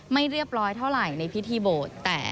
ไม่เรียบร้อยเท่าไหร่ในพิธีโบสถ์